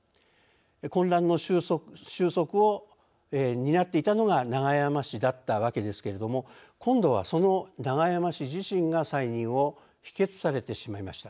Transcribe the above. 混乱の収束を担っていたのが永山氏だったわけですけれども今度はその永山氏自身が再任を否決されてしまいました。